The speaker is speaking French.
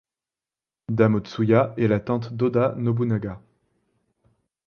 Dame Otsuya est la tante d'Oda Nobunaga.